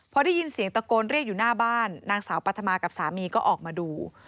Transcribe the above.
พอได้ยินเสียงตะโกนเรียกอยู่หน้าบ้านนางสาวปัธมากับสามีก็ออกมาดู